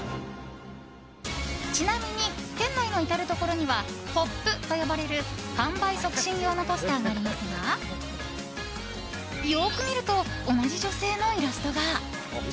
ちなみに店内の至るところにはポップと呼ばれる販売促進用のポスターがありますがよく見ると同じ女性のイラストが。